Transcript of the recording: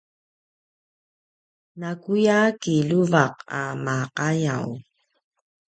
nakuya kiljuvaq a maqayaw